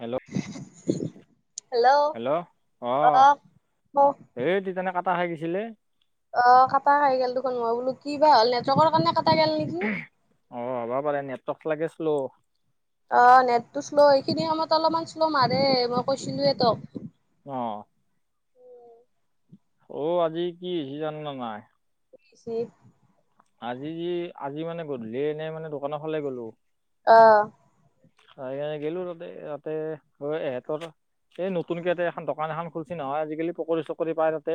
Hello hello অ আহ পা হাগিছিলে অ' কটা খাই গেল দেখোন মই বোলো, কি বা হ'ল নেটৱৰ্কৰ কাৰণে কাটা কাটা গ'ল নেকি। টক লাগেছোলো। অ' নেটটো শ্ল' এইখিনি সময়ত অলপমান শ্ল' মাৰে, মই কৈছিলোয়ে তোক। অহ অ'আজি কি হৈছি জান ন নাই? কি হৈছি। আজি যি, আজি মানে গধূলি এনেই মানে, দোকানৰ ফালে গ'লো। অহ আহি কেনে গেলো তাতে, তাতে হে [unintelligible] ৰ এই নতুনকে এতে এখন, দোকান এখন খুলছে নহয়। আজিকালি, পকৰি চকৰি পায় তাতে।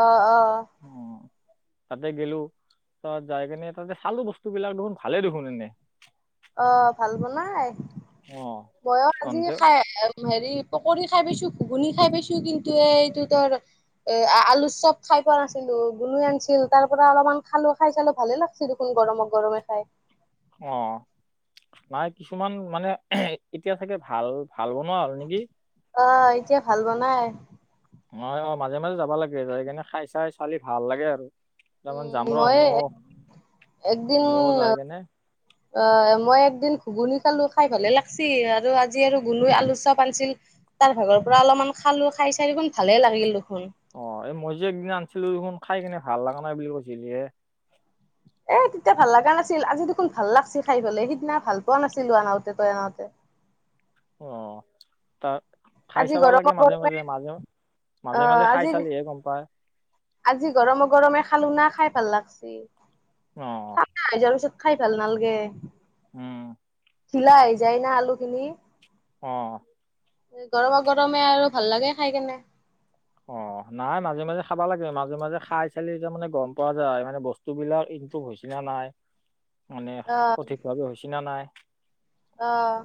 অ' অ'। তাতে গলো, তাত যাই কেনে তাতে, খালো বস্তুবিলাক দেখোন ভালে দেখোন এনে। অ' ভাল বনাই। অ বৌয়ে আজি তহতে খাই আহে হেৰি, পকৰি খাই পাইছো, ঘুগুনী খাই পাইছো, কিন্তু এই, এইটো তৰ এ আলু চপ খাই পোৱা নাছিলো। গুলুৱে আনিছিল, তাৰ পৰা অলপমান খালো, খাই চালো ভালে লাগিছিল দেখুন গৰম-গৰমে, খায়। অ' নাই কিছুমান মানে, এতিয়া চাগে ভাল ভাল বনোৱা হ'ল নেকি? অ'এতিয়া ভাল বনাই। অ' মাজে-মাজে যাব লাগে। যাই কিনে খাই চাই, ছালি ভাল লাগে আৰু। তাৰমান উম, যাম ৰ মই ময়ো একদিন, ময়ো যাই কেনে অ' মই এক এদিন ঘুগুনি খালো, খাই ভালে লাগিছি। আৰু আজি আৰু গুলুৱে আলু চপ' আনিছিল, তাৰ ভাগৰ পৰা অলপ অকমান খালো, খাই চাই দেখোন ভালে লাগিল। দেখোন। অ' এই মই যে একদিন আনিছিলো দেখোন, খাই কিনে ভাল লগা নাই বুলি কৈছিলি হে। এ তেতিয়া ভাল লগা নাছিল। আজি দেখোন ভাল লাগছে খাই পেলাই, সিদিনা ভাল পোৱা নাছিলো আনাওতে, তই আনাওতে। অ' তাত খাই আজি চাবা গৰমে লাগে গৰমে মাজে-মাজে, মাজে-মাজে-মাজে, অ' খাই আজি চালেহে, গ'ম পায়। আজি গৰমে-গৰমে খালো না। খাই ভাল লাগছি। অ ঠাণ্ডা হৈ যোৱাৰ পিছত, খাই ভাল নালাগে। উম। ধিলা হৈ যায় না আলু খিনি। অ'। গৰমে-গৰমে আৰু, ভাল লাগে খাই কেনে। অ' নাই মাজে-মাজে খাবা লাগে, মাজে-মাজে খাই চালি যে, মানে গ'ম পোৱা যায়। মানে বস্তু বিলাক হৈছিনে নে নাই, মানে অ' সঠিক ভাৱে হৈছি না নাই। অ'।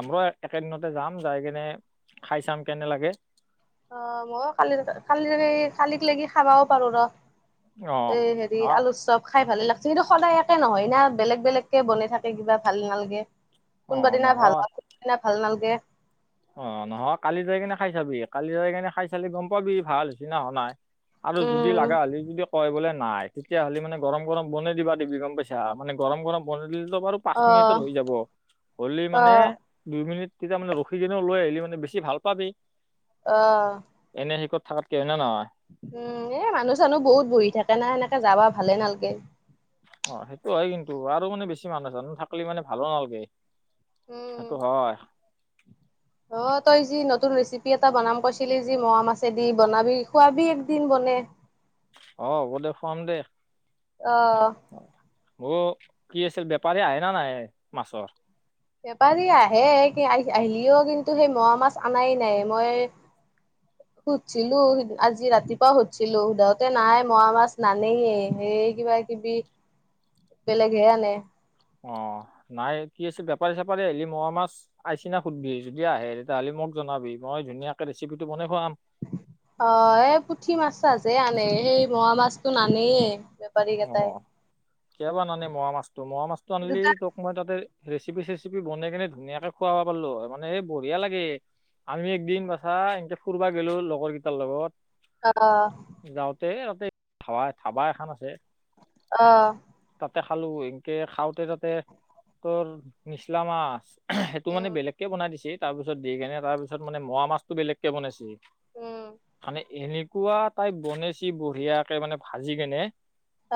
আমৰো একেদিনতে যাম, যাই কেনে, খাই চাম কেনে লাগে। অ' মই কালি-কালি-কালি লেকে খাবাও পাৰো অ ৰহ। এই হেৰি, অ আলু চপ খাই ভালে লাগিছে। কিন্তু সদায় একে নহয় না, বেলেগ-বেলেগ কে বনাই থাকে, কিবা ভাল নালাগে। অ কোনোবাদিনা ভাল নহয় লগে, কোনোবাদিনা ভাল নালাগে। অ' নহয়, কালি যাই কিনে খাই চাবি। কালি যাই কিনে খাই চালি গ'ম পাবি, ভাল হৈছিনা, হোৱা নাই। আৰু যদি উম। লগা হ'লি যদি, কয় বোলে নাই নাই, তেতিয়া হ'লে মানে, গৰম-গৰম, বনাই দিব' দিবি গ'ম পাইছা, মানে গৰম গৰম, বন [unintelligible] পাঁচ অ মিনিটত হৈ যাব। হ'লে অ মানে, দুই মিনিট তেতিয়া মানে, ৰ কিনে লৈ আহিলে মানে, বেছি ভাল পাবি। অহ। এনে শিকত থাকাতকে হয়নে নহয় উম, এ মানুহ চানুহ বহুত বহি থাকে না সেনেকে যাবা, ভালে নালগে। অ' সেইটো হয় কিন্তু। আৰু মানে বেছি মানুহ জানো থাকিলি মানে, ভালো নালগে। উম সেইটো হয়। অ' তই যি নতুন ৰেচিপি এটা বনাম কৈছিলি যি, ম'ৱা মাছে দি বনাবি, খুৱাবি একদিন বনাই। অ' হ'ব দে, খুৱাম দে। অহ। অ' কি আছিল বেপাৰী আহে নে নাহে মাছৰ? বেপাৰী আহে আহ আহিলিও, কিন্তু সেই মোৱা মাছ অননাই নাই মই সুধছিলো আজি ৰাতিপুৱাও সুধছিলো, সোধাওতে নাই মোৰা মাছ নানেইয়ে সেই এই কিবা কিবি বেলেগ হে আনে। অ' নাই কি আছে বেপাৰী চেপাৰী আহিলি মোৰা মাছ আইছিনা সুধবি, যদি আহে তেতিয়াহ'লে মোক জনাবি মই ধুনীয়াকে ৰেচিপিটো বনাই খোৱাম। অ' এই পুঠি মাছজে আনে সেই মোৰা মাছতো নানেই। অ' কিয়াবাৰ নানে মোৰা মাছটো মোৰা মাছটো আনিলি দুটা তোক মই তাতে ৰেচিপি চেচিপি বনাই কেনে ধুনীয়াকে খুৱাব পালো হয় মানে এ বঢ়িয়া লাগে। আমি একদিন বাছা এনকে ফুুৰবা গলো লগৰ কেইটাৰ লগত। আহ, যাওঁতে তাতে ধাবা ধাবা এখন আছে। আহ, তাতে খালো এনকে খাওঁতে তাতে তোৰ নিচলা মাছ। সেইটো মানে উম বেলেগকৈ বনাই দিছে তাৰপিছত দি কিনে তাৰপিছত মানে মৰা মাছটো বেলেগকৈ বনাইছে। উম মানে এনেকুৱা তাই বনাইছি বঢ়িয়াকে মানে ভাজি কেনে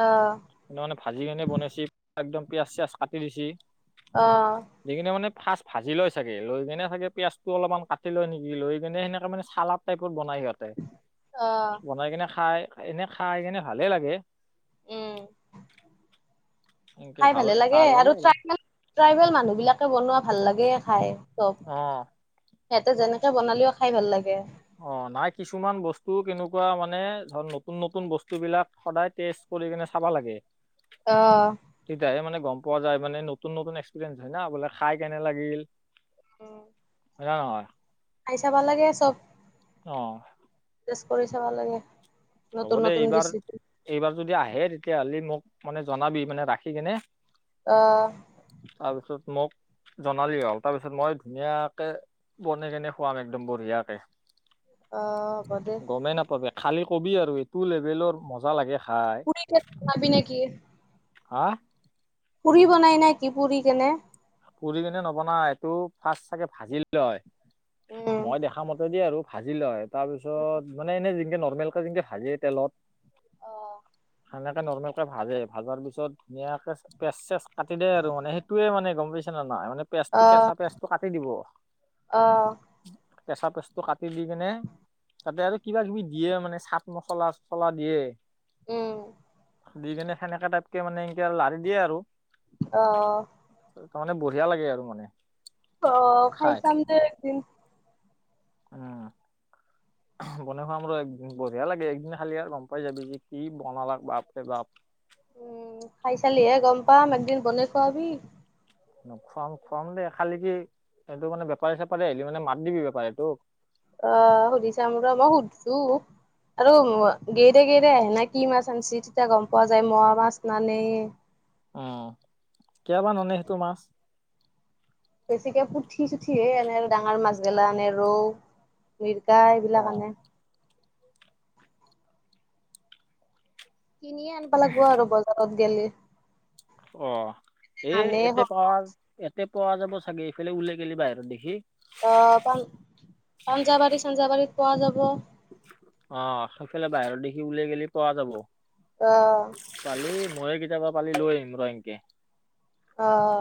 আহ সানে ভাজি কেনে বনাইছ একদম পিয়ঁয়াজ চিয়াজ কাটি দিচি। অ'। ফাৰ্ষ্ ভাজি লয় চাগে লৈ কেনে চাগে পিয়য়াজ টো অলপমান কাটি লয় নেকি লৈ কেনে সেনেকে মানে চালাদ টাইপ বনাই সিহতে, আহ বনাই কেনে খাই এনে খাই কেনে ভালে লাগে। উম এনেকে খাই ভাল ভালে লাগে ভাল আৰু আৰুাই ট্ৰাইবেল মানুহ বিলাকে বনোৱা ভাল লাগে খাই। চব আহ, সিহঁতে যেনেকে বনালেও খাই ভাল লাগে। অ' নাই কিছুমান বস্তু কেনেকুৱা মানে ধৰ নতুন নতুন বস্তু বিলাক সদায় তেজ কৰি কিনে চাবা লাগে। আহ, তেতিয়াহে মানে গ'ম পোৱা যায়, মানে নতুন নতুন এক্সপিৰিয়েঞ্চ হয় না বোলে খাই কেনে লাগিল। [inaudible] নয়। খাই চাব লাগে চব। অ'। তেছ কৰি চাব লাগে। হ'ব নতুন দে নতুন এইবাৰ ৰেচিপি এইবাৰ যদি আহে তেতিয়াহ'লে মোক মানে জনাবি মানে ৰাখি কেনে আহ। মুক জনালি হ'ল তাৰপিছত মই ধুনীয়াকে বনাই কেনে খুৱাম একদম বঢ়িয়াকে। অ' হব দে। খালী কবি আৰু এইটো লেভেলৰ মজা লাগে। খাই পুৰি ঠেত খুৱাবি নেকি। হা? পুৰি বনাই নে কি পুৰি কেনে? পুৰি কিনে নবনাই এইটো ফাৰ্ষট চাগে ভাজিল লয় উম মই দেখা মতে দে আৰু। ভাজি লয় তাৰপিছত মানে এনে যেনকে নৰ্মেলকে যেকে ভাজে তেলত। আহ। সেনেকৈ নৰ্মেলকৈ ভাজে ভাজাৰ পিছত ধুনীয়াকৈ পেচ চেচ কাটি দে আৰু মানে সেইটোৱে মানে গম পাইছ খেন নাই মানে পেজটো আহ কেঁচা পেজটো কাটি দিব। আহ কেঁচা পেচটো কাটি দি কিনে তাতে আৰু কিবা কিবি দিয়ে মানে চাট মছলা চচলা দিয়ে। উম। দি কিনে সেনেকা টাইপকে মানে এনকে লাৰি দিয়ে আৰু। আহ। তাৰ মানে বঢ়িয়া লাগে আৰু মানে। অ' খাই খাইছাম দে একদিন। উম। বনাই খোৱা আমাৰ একদিন বঢ়িয়া লাগে একদিন খালি আৰু গম পাই যাবি যে কি বনালাক বাৰে বাপ। উম খাই চালিহে গম পাম একদিন বনাই খোৱাবি। খুৱাম, খুৱাম দেই খালি কি এইটো মানে বেপাৰী চেপাৰী আহিলি মানে মাত দিবি বেপাৰী এইটোক। অ' সুধিছাম ৰহ, মই সুধছো। আৰু গেইৰে গেইৰে আহে না কি মাছ আনিছে তেতিয়া গম পোৱা যায় মুৱা মাছ নানে। উম, কিয়াবা ননে সেইটো মাছ। বেছিকে পুঠি চুঠিয়ে আনে ডাঙৰ মাছবেলা আনে ৰৌ, মিৰ গা অ এইবিলাক আনে। কিনিয়ে আনব লাগিব আৰু বজাৰত গলে। অ' এই এতে প এতে। পোৱা যাব চাগে এইফালে ওলাই গেলি বাহিৰত দেখি। আহ পান পাঞ্জাবাৰী, চাঞ্জাবাৰীত পোৱা যাব। অ' সেইফালে বাহিৰত দেখি উওলাই গেলি পুৱা যাব। আহ। মই কেতিয়াবা পালি লৈ আহিম ৰহ ইনকে। আহ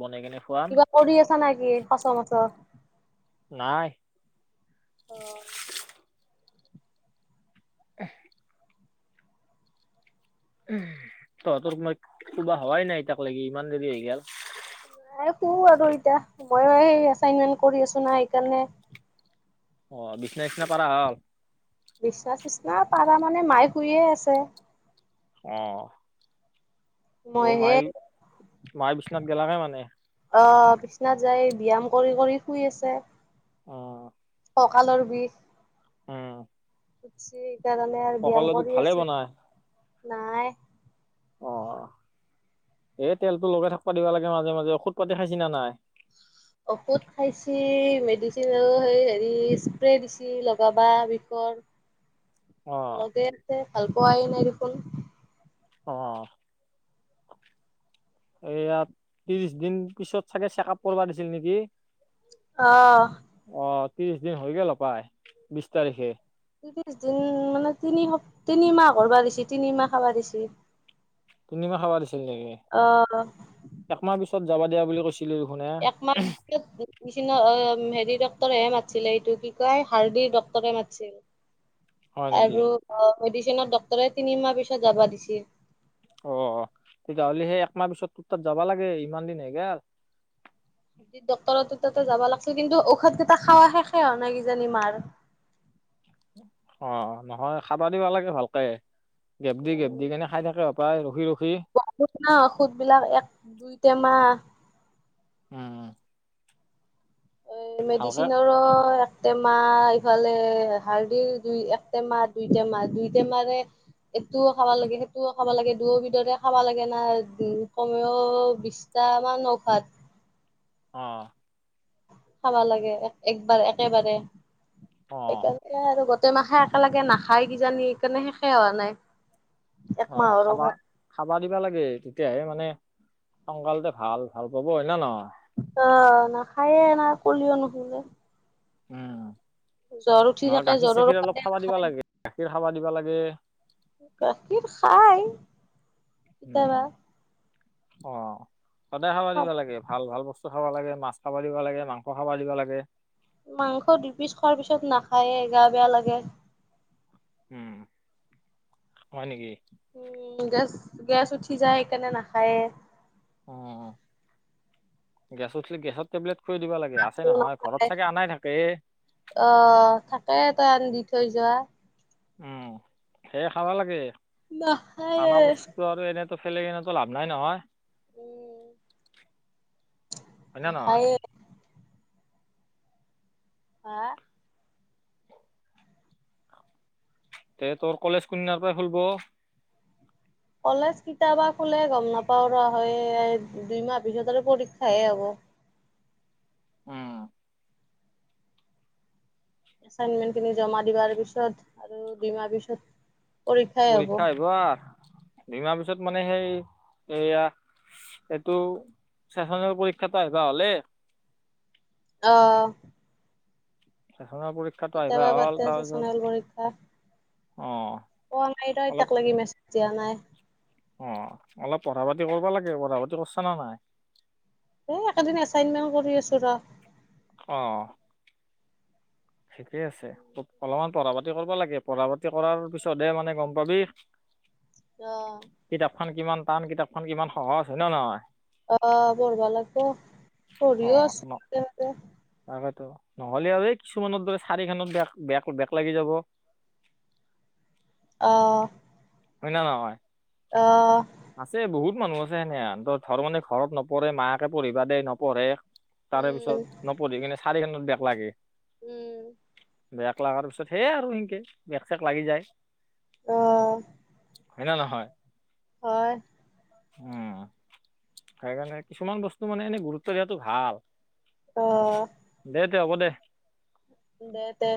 বনে কেনে খুৱাম কিবা কৰি আছা নে কি সচ মচৰ? নাই। অ'। উ উ তহঁতৰ মই ক'বা হোৱাই নাই ইতাক লাগি ইমান দেৰি হৈ গল। শুউ আৰু এতিয়া মইো এই এচাইনমেন্ট কৰি আছো না সেইকাৰণে। অ বিচনা চিচনা পাৰা হ'ল। বিশচনা চিচনা পাৰা মানে মায়ে শুৰিয়ে আছে। আহ। অ মইহে মায়ে মায় বিচনাত গেলাকে মানে। বিচনা যায় ব্যায়াম কৰি কৰি শুই আছে। অ' ককালৰ বিষ। উম। হৈছে সেইকাৰণে আৰু ব্যয়ায়াম কঁকালৰ বিষ কৰি ভালে আছো বনাই নাই। অ। এ তেলতো লগাই থাকিবা দিবা লাগে মাজে মাজে ঔষধ পাতি খাইছি না নাই। ঔষুধ খাইছ মেডিচিন আৰু সেই হেৰি স্প্ৰে দিছে লগাবা বিষৰ। [inaudible] লগাতে ভাল পোৱাই নাই দেখোন। অ এইয়া ত্ৰিশ দিন পিছত চাগে চেক আপ কৰাব দিছিল নেকি। আহ অ ত্ৰিশ দিন হৈ গ হপায় বিশ তাৰিখে। ত্ৰিশ দিন মানে তিনি সপ তিনিমাহ ঘৰ বকৰবা দিছে তিনিমাহ খাব দিছে। তিনি মাহ খাবা দিছিলাকে একমাহ পিছত যাবা দিয়া বুলি কৈছিল। একমাহ নিচিনা অ'। উম হেৰি ডক্তৰেহে মাতিছিলে এইটো কি কয় হাৰ্ডিৰ ডক্টৰে মাতিছিল। হয় নেকি আৰু মেডিচনৰত ডক্টৰে তিনিমাহ পিছত যাবা দিছিল। অ' তেতিয়াহ'লে সেই একমাহ পিছত তোৰ তাত যাবা লাগে ইমান দিন হয়গেল। ডক্তৰ তাতে যাবা লাগিছিল। কিন্তু ঔষধ কেইটা খোৱা শেষে হোৱা নাই কিজানি মাৰ। [inaudible] অ' নহয় খাবা দিব লাগে ভালকে গেপ দি গেপ দি কেনে খাই থাকে। পাই ৰখি ৰখি। বহুত ন ঔষধ বিলাক এক দুই টেমাহ উম। উম ভালকে মেডিচিনৰো টেমি ইফালে হাৰ্দিৰ দুই এক টেমাহ দুই টেমাহ দুইটেমাৰে এইটোও খাবা লাগে সেইটোও খাব লাগে দুয়ো বিধৰে খাব লাগে না উ কমেও বিশটা টামান ঔষধ [inaudible] অ' খাবা লাগে একবাৰ একেবাৰে অ সেইকাৰণে আৰু মাখে [unintelligible] একেলগে নাখায় কিজানি সেইকাৰণে শেষাই হোৱা নাই অ একমাহৰ খাবা ঔষধ খাবা দিবা লাগে তেতিয়াহে মানে সংকালতে ভাল ভাল পাব হয় না নহয় অ নাখায়ে না কলিও নুশুনে জ্বৰ উঠি উম নহয় থাকে জ্বৰৰ গাখীৰ-চাখীৰ অলপ কাৰণে খাবা দিবা নাখায় লাগে গাখীৰ খাবা দিবা লাগে গাখীৰ খাই উম, অ' সদায় খাব দিব লাগে ভাল ভাল বস্তু খাব লাগে। মাছ খাব দিব লাগে, মাংস খাব দিব লাগে। মাংস দু পিচ খোৱাৰ পিছত নাখায়ে গা বেয়া লাগে। উম, হয় নেকি। উম, গেছ গেছ উঠি যায় স কেনে নাখায়। উম গেছ উঠিলে, গেছৰ টেবলেট। খুৱাই দিব লাগে আছে নহয় ঘৰত চাগে আনাই থাকে অ' থাকে তই আনদি থৈ যোৱা উম সেয়া খাবা লাগে নাখায়ে খানা বস্তুতটো আৰু এনে চবফালে কিনোতো [unintelligible] লাভ নাই নহয় উম হয় নে নহয় খায়ে হা। এ তোৰ কলেজ কোন দিনা পা খুলিব? কলেজ কিতাবা খোলে গম নাপাও ৰ, হে দুইমাহ পিছত আৰু পৰীক্ষাহে হ'ব। উম। এচাইনমেন্ট খিনি জমা দিবাৰ পিছত, আৰু দুইমাহ পিছত। পৰীক্ষাই হ'ব পৰীক্ষা আহিব আৰ, দুমাহ পিছত মানে সেই এয়া এইটো চেচনেৰ পৰীক্ষাটো আহিবা হলে। অ। চেচনেল পৰীক্ষাটো আহিবা কেতিয়াবা হ'ল পাতে তাৰপিছত চেচনেল পৰীক্ষা। অ পোৱা নাই ৰ, অলপ এতাক লাগি মেছেজ দিয়া নাই। অ অলপ পঢ়া পাতি কৰিবা লাগে, পঢ়া পাতি কৰছ নে নাই? এ একেদিন এচাইনমেণ্ট কৰি আছো ৰ। অ। ঠিকেই আছে, অলপমান পঢ়া পাতি কৰবা লাগে, পঢ়া পাতি কৰাৰ পিছতহে মানে গম পাবি। অ কিতাপখন কিমান টান কিতাপখন কিমান সহজ হয় নে নহয়। অ পঢ়বা লাগিব, অ পঢ়িও আছো ন তাকেতো নহলে আ কিছুমানৰ দৰে চাৰিখনত বেক বেক বেক লাগি যাব। অ। হয় না নহয়? অ। আছে বহুত মানুহ আছে সেনেহেন, ধৰ মানে ঘৰত নপঢ়ে মাকে পঢ়িবা দে নপঢ়ে। তাৰে পিছত, উম নপঢ়ি কিনে চাৰিখনত বেক লাগে। উম। বেক লগাৰ পিছত সে আৰু সেনকে বেক-চেক লাগি যায়। অ। হয় না নহয়! হয়। উম, সেইকাৰণে কিছুমান বস্তু মানে এনে গুৰুত্ব দিয়াতটো ভাল। অহ দে তে, হ'ব দে। দে দে।